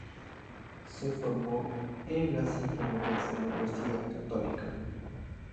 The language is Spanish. Se formó en las inferiores de la Universidad Católica.